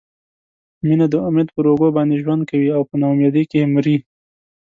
مینه د امید پر اوږو باندې ژوند کوي او په نا امیدۍ کې مري.